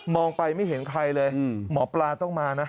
ไปไม่เห็นใครเลยหมอปลาต้องมานะ